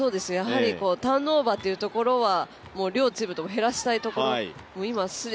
ターンオーバーというところは両チームともに減らしたいところですね。